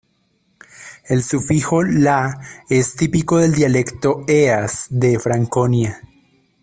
El sufijo -la es típico del dialecto Eas de Franconia.